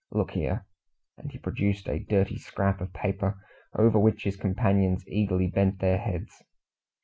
Look here!" And he produced a dirty scrap of paper, over which his companions eagerly bent their heads.